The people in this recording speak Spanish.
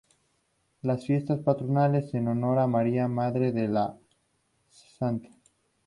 Las fiestas patronales en honor a María Madre de la Sta.